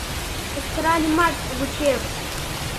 Кычкыральымат, вучем.